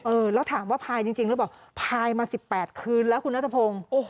แล้วถามว่าพายจริงหรือเปล่าพายมา๑๘คืนแล้วคุณนัทพงศ์